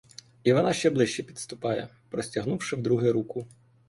І вона ще ближче підступає, простягнувши вдруге руку.